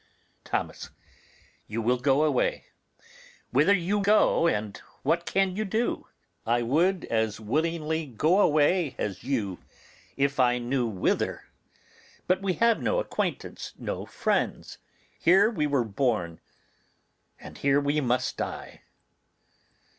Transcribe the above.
Thomas. You will go away. Whither will you go, and what can you do? I would as willingly go away as you, if I knew whither. But we have no acquaintance, no friends. Here we were born, and here we must die.